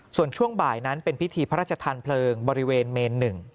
ส่วนช่วงบ่ายนั้นเป็นพิธีพระราชทานเพลิงบริเวณเมน๑